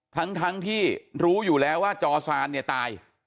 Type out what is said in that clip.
ทั้งที่รู้อยู่แล้วว่าจอซานเนี่ยตาย